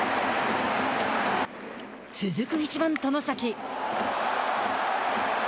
続く、１番外崎。